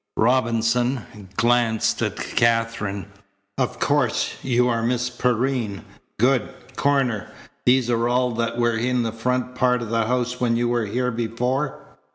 Robinson glanced at Katherine. "Of course you are Miss Perrine. Good. Coroner, these are all that were in the front part of the house when you were here before?"